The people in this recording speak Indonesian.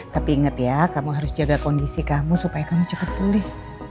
tapi ingat ya kamu harus jaga kondisi kamu supaya kamu cepat pulih